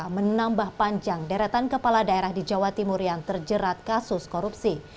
menambah panjang deretan kepala daerah di jawa timur yang terjerat kasus korupsi